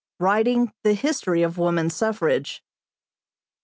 WRITING "THE HISTORY OF WOMAN SUFFRAGE."